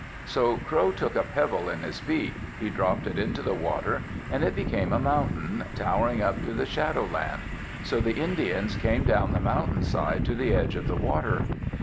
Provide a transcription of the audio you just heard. So Crow took a pebble in his beak. He dropped it into the water, and it became a mountain, towering up to the shadow land. So the Indians came down the mountain side to the edge of the water.